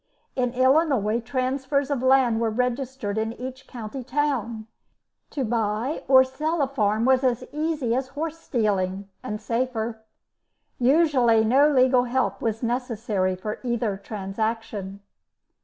In Illinois, transfers of land were registered in each county town. To buy or sell a farm was as easy as horse stealing, and safer. Usually, no legal help was necessary for either transaction.